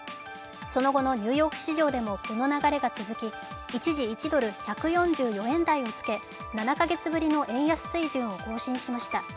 その後のニューヨーク市場でもこの流れが続き一時、１ドル＝１４４円台をつけ、７か月ぶりの円安水準を更新しました。